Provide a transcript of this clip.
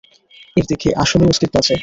এর দেখি আসলেই অস্তিত্ব আছে।